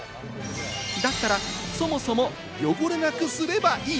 だったら、そもそも汚れなくすればいい。